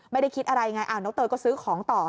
ไม่ได้คิดอะไรไงน้องเตยก็ซื้อของต่อ